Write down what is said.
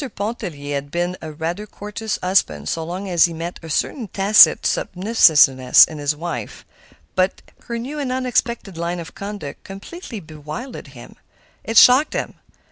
Pontellier had been a rather courteous husband so long as he met a certain tacit submissiveness in his wife. But her new and unexpected line of conduct completely bewildered him. It shocked him.